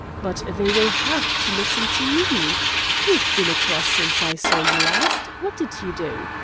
But they will HAVE to listen to me. 'You've been across since I saw you last. What did you do?'